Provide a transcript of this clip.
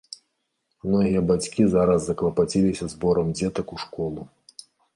Многія бацькі зараз заклапаціліся зборам дзетак у школу.